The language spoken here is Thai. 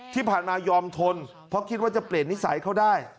ที่ผ่านมายอมทนเพราะคิดว่าจะเปลี่ยนนิสัยเขาได้